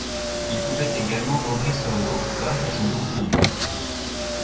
Il pouvait également voguer sur l’eau grâce à son bouclier.